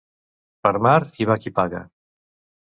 Per mar, hi va qui paga.